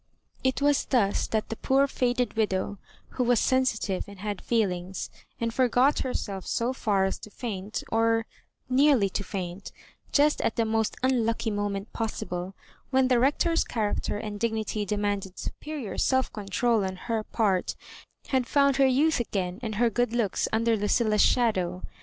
It was thus that the poor &ded widow, who was sensitive and had feelings, and forgot herself so far as to faint, or nearly to &int, just at the most unlucky moment possible, when the Rector's character and dignity demanded, supe rior self control on her part, had found her youth again and her good looks under LuciUa's shadow.